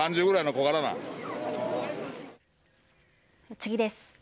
次です。